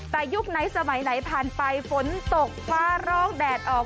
แต่ยุคไหนสมัยไหนผ่านไปฝนตกฟ้าร้องแดดออก